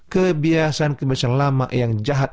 kebiasaan kebiasaan lama yang jahat